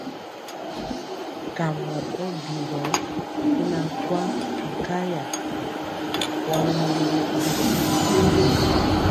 Kamɔ ɔ bigɔ i na kwaŋ nkaya, wa mɔmɔnɔ mɛdiwɔ.